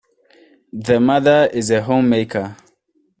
The mother is a homemaker.